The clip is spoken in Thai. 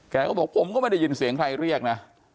แกก็บอกผมก็ไม่ได้ยินเสียงใครเรียกนะ